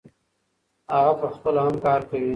هغه پخپله هم کار کوي.